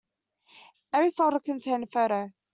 Every folder contained a photo.